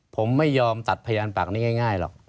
ผมไม่ยอมตัดพยานปากนี้ง่ายหรอก